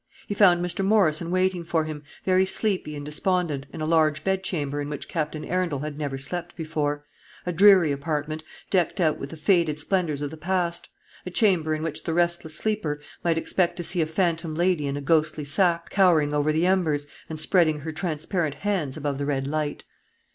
He found Mr. Morrison waiting for him, very sleepy and despondent, in a large bedchamber in which Captain Arundel had never slept before, a dreary apartment, decked out with the faded splendours of the past; a chamber in which the restless sleeper might expect to see a phantom lady in a ghostly sacque, cowering over the embers, and spreading her transparent hands above the red light.